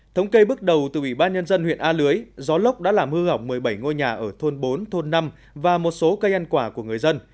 thống kê bước đầu từ ủy ban nhân dân huyện a lưới gió lốc đã làm hư hỏng một mươi bảy ngôi nhà ở thôn bốn thôn năm và một số cây ăn quả của người dân